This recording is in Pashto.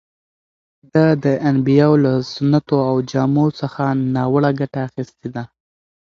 ده د انبیاوو له سنتو او جامو څخه ناوړه ګټه اخیستې ده.